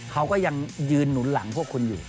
เขาก็ยังยืนหนุนหลังพวกคุณอยู่